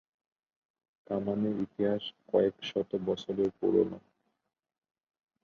কামানের ইতিহাস কয়েক শত বছরের পুরনো।